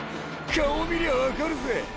顔見りゃ分かるぜ。